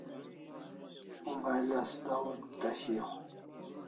Mobile as dahur eta shiaw